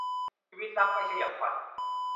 ชีวิตรักไม่ใช่อย่างฝัน